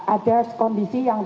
ada kondisi yang